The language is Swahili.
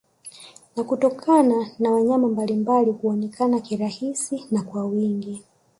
Ni kutokana na wanyama mbalimbali kuonekana kirahisi na kwa wingi